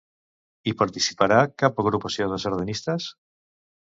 Hi participarà cap agrupació de sardanistes?